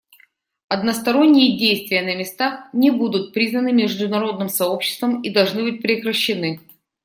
Односторонние действия на местах не будут признаны международным сообществом и должны быть прекращены.